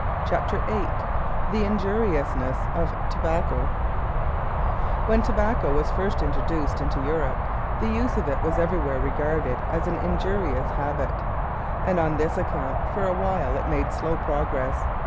CHAPTER VIII THE INJURIOUSNESS OF TOBACCO When tobacco was first introduced into Europe the use of it was everywhere regarded as an injurious habit, and on this account for a while it made slow progress.